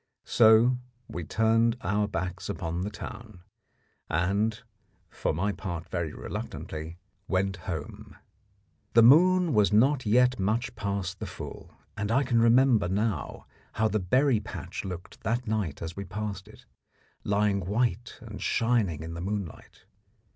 So we turned our backs upon the town, and, for my part very reluctantly, went home. The moon was not yet much past the full, and I can remember now how the berry patch looked that night as we passed it, lying white and shining in the moonlight.